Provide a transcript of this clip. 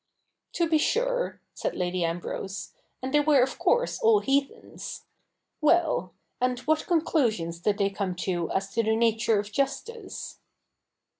' To be sure,' said Lady Ambrose :' and they were of course all heathens. Well — and what conclusions did they come to as to the nature of justice?'